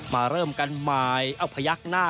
มาเริ่มกัน